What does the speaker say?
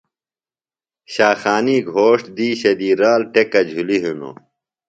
شاخانی گھوݜٹ دِیشہ دی رال ٹیکہ جُھلیۡ ہِنوۡ۔